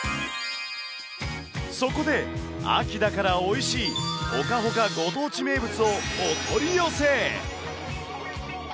そこで、秋だからおいしい、ホカホカご当地名物をお取り寄せ。